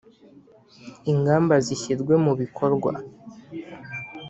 Ingamba zishyirwe mubikorwa.